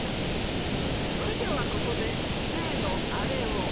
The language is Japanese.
それではここで例のアレを。